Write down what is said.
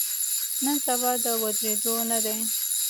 نن سبا د ودریدو نه دی.